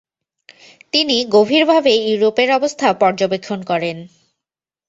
তিনি গভীরভাবে ইউরোপের অবস্থা পর্যবেক্ষণ করেন।